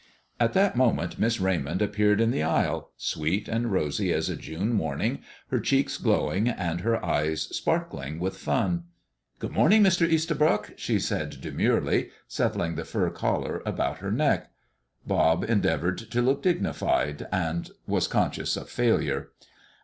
At that moment Miss Raymond appeared in the aisle, sweet and rosy as a June morning, her cheeks glowing, and her eyes sparkling with fun. "Good morning, Mr. Estabrook," she said demurely, settling the fur collar about her neck. Bob endeavored to look dignified, and was conscious of failure.